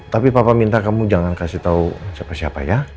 tapi papa minta kamu jangan kasih tahu siapa siapa ya